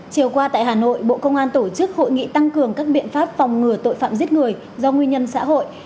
chiều qua tại hà nội bộ công an tổ chức hội nghị tăng cường các biện pháp phòng ngừa tội phạm giết người do nguyên nhân xã hội